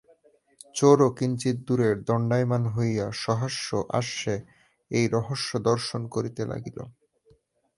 চোরও কিঞ্চিৎ দূরে দণ্ডায়মান হইয়া সহাস্য আস্যে এই রহস্য দর্শন করিতে লাগিল।